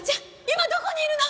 今どこにいるの！？